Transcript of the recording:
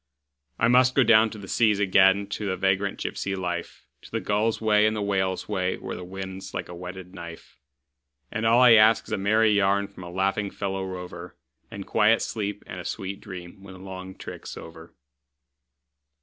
I must go down to the seas again, to the vagrant gypsy life, To the gull's way and the whale's way, where the wind's like a whetted knife; And all I ask is a merry yarn from a laughing fellow rover, And quiet sleep and a sweet dream when the long trick's over.